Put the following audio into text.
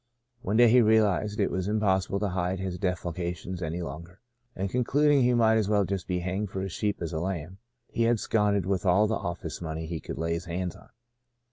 One day he realized that it was impossible to hide his de falcations any longer ; and concluding that he might just as well be hanged for a sheep as a lamb, he absconded with all the office money he could lay his hands on.